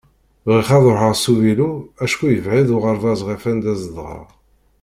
Bɣiɣ ad ruḥeɣ s uvilu acku yebεed uɣerbaz ɣef anda zedɣeɣ.